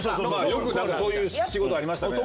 よくそういう仕事ありましたね。